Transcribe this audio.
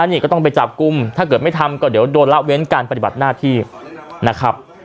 นี่ก็ต้องไปจับกลุ่มถ้าเกิดไม่ทำก็เดี๋ยวโดนละเว้นการปฏิบัติหน้าที่นะครับ